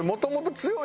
強い。